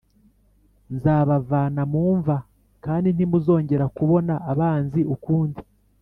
Nzabavana mu mva kandi ntimuzogera kubona abanzi ukundi